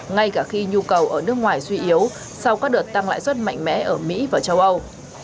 ngay cả khi nhu cầu ở nước ngoài suy yếu sau các đợt tăng lãi suất mạnh mẽ ở mỹ và châu âu